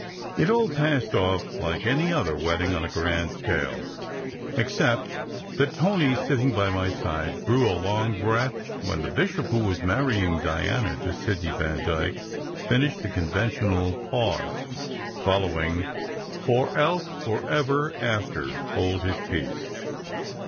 It all passed off exactly like any other wedding on a grand scale, except that Tony, sitting by my side, drew a long breath when the bishop who was marrying Diana to Sidney Vandyke finished the conventional pause following "or else forever after hold his peace."